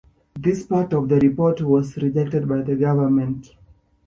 This part of the report was rejected by the government.